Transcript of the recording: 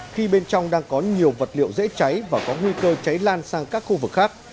khi bên trong đang có nhiều vật liệu dễ cháy và có nguy cơ cháy lan sang các khu vực khác